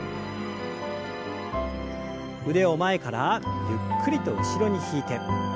腕を前からゆっくりと後ろに引いて。